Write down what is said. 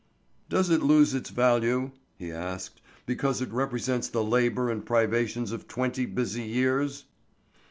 "Does it lose its value," he asked, "because it represents the labor and privations of twenty busy years?"